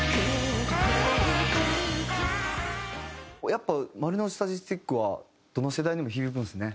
やっぱ『丸ノ内サディスティック』はどの世代にも響くんですね。